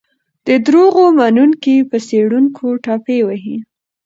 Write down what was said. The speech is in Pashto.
د دروغو منونکي په څېړونکو ټاپې وهي.